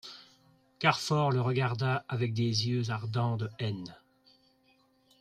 Carfor le regarda avec des yeux ardents de haine.